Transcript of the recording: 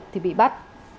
thì bị bắt